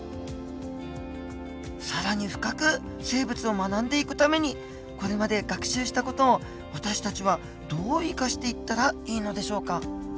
更に深く生物を学んでいくためにこれまで学習した事を私たちはどう生かしていったらいいのでしょうか？